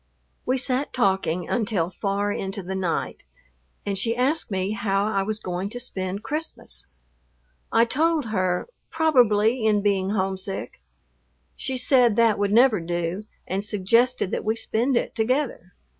We sat talking until far into the night, and she asked me how I was going to spend Christmas. I told her, "Probably in being homesick." She said that would never do and suggested that we spend it together.